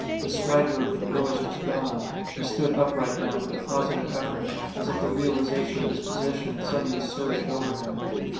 The swagger of the poise was gone; he stood upright now with a positive effort, as if the realization of his position had suddenly surged over him.